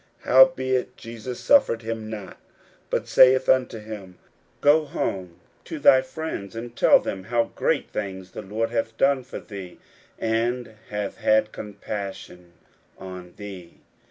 41:005:019 Howbeit Jesus suffered him not, but saith unto him, Go home to thy friends, and tell them how great things the Lord hath done for thee, and hath had compassion on thee.